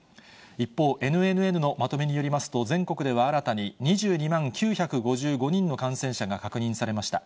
一方、ＮＮＮのまとめによりますと、全国では新たに２２万９５５人の感染者が確認されました。